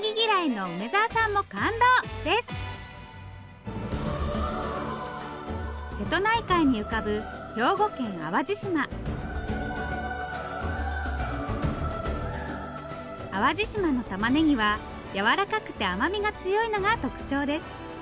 最後は瀬戸内海に浮かぶ兵庫県淡路島淡路島のたまねぎはやわらかくて甘みが強いのが特徴です